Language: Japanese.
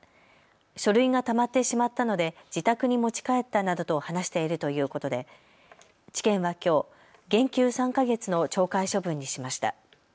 書類がたまってしまったので自宅に持ち帰ったなどと話しているということで地検はきょう減給３か月の懲戒処分にしました。